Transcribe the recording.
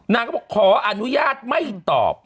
นางก็บอกขออนุญาตไม่ตอบ